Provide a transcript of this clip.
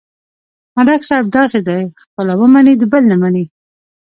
ملک صاحب داسې دی: خپله ومني، د بل نه مني.